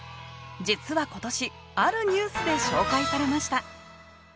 実は今年あるニュースで紹介されました